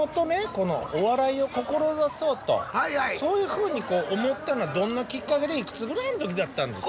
このお笑いを志そうとそういうふうに思ったのはどんなきっかけでいくつぐらいの時だったんですか？